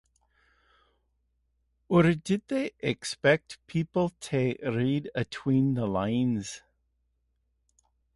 Or did they expect people to read between the lines?